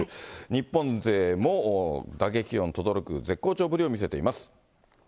日本勢も打撃音とどろく絶好調ぶりを見せています。